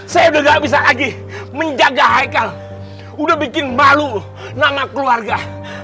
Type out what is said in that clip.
saya udah gak bisa lagi menjaga haikal udah bikin malu nama keluarga